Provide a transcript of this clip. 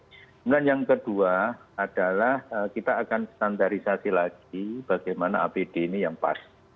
kemudian yang kedua adalah kita akan standarisasi lagi bagaimana apd ini yang pas